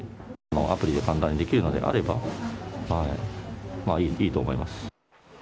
アプリで簡単にできるのであればいいと思います。